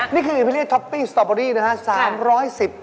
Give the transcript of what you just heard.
นี่คือช็อปปี้สตอบบอรี่นะครับ